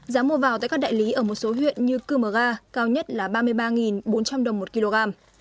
giá mua vào tại các đại lý ở một số huyện như cư mờ ga cao nhất là ba mươi ba bốn trăm linh đồng một kg